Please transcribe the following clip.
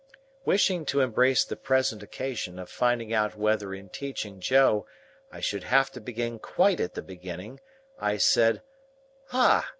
Wishing to embrace the present occasion of finding out whether in teaching Joe, I should have to begin quite at the beginning, I said, "Ah!